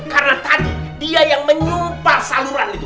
karena tadi dia yang menyumpah saluran itu